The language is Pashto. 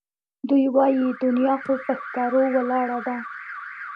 دوی وایي دنیا خو پهٔ ښکرو ولاړه ده